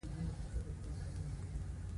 کچالو له زردالو سره نه خوړل کېږي